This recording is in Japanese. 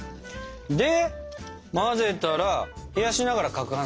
で混ぜたら冷やしながらかくはんするんだね。